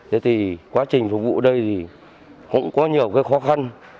thế thì quá trình phục vụ ở đây thì cũng có nhiều cái khó khăn